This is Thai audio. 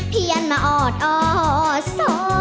พี่แอ่นมาออดออดสอ